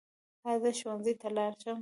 ایا زه ښوونځي ته لاړ شم؟